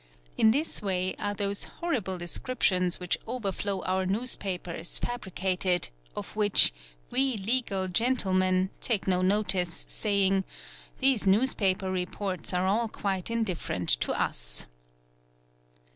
In this way are those horrible 'descriptions which overflow our newspapers fabricated, of which " we egal gentlemen" take no notice, saying :—"' these newspaper reports are 'all quite indifferent to us."